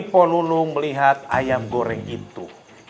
pok nunung melihat ayam goreng itu